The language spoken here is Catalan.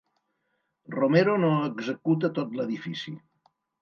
Romero no executa tot l'edifici.